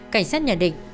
cảnh sát nhận định